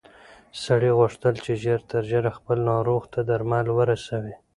سړي غوښتل چې ژر تر ژره خپل ناروغ ته درمل ورسوي.